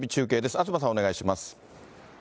東さんお願いします。